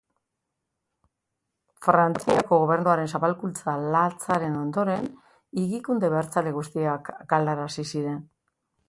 Frantziako gobernuaren zapalkuntza latzaren ondoren, higikunde abertzale guztiak galarazi ziren.